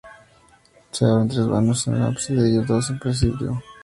Se abren tres vanos en el ábside y dos en el presbiterio.